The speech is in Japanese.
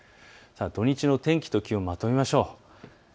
土日の天気と気温をまとめましょう。